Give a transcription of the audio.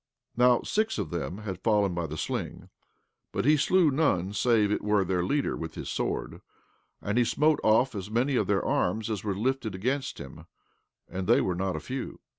17:38 Now six of them had fallen by the sling, but he slew none save it were their leader with his sword; and he smote off as many of their arms as were lifted against him, and they were not a few.